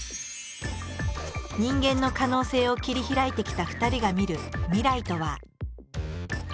人間の可能性を切り開いてきた２人が見る未来とは。